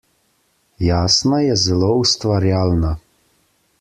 Jasna je zelo ustvarjalna.